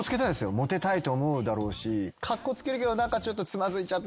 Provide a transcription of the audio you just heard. モテたいと思うだろうし。